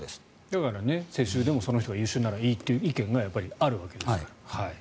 だから、世襲でもその人が優秀ならいいという意見がやっぱりあるわけですから。